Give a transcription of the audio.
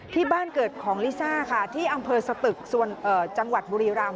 ที่บ้านเกิดของลิซ่าค่ะที่อำเภอสตึกจังหวัดบุรีรำ